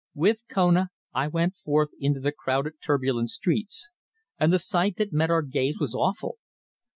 With Kona I went forth into the crowded, turbulent streets, and the sight that met our gaze was awful.